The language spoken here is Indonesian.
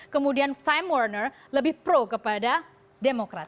kemudian time warner lebih pro kepada demokrat